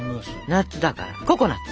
夏だからココナツ！